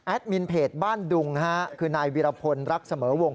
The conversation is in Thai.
มินเพจบ้านดุงคือนายวิรพลรักเสมอวง